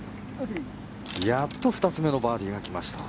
やっと２つ目のバーディーが来ました。